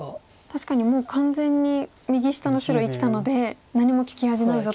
確かにもう完全に右下の白生きたので何も利き味ないぞと。